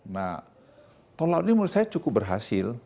nah tol laut ini menurut saya cukup berhasil